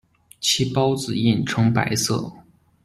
其孢子印呈白色。